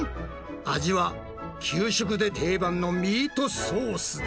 味は給食で定番のミートソースだ。